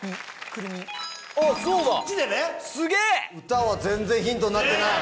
歌は全然ヒントになってない。